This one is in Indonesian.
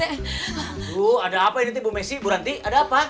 aduh ada apa ini bu messi ibu ranti ada apa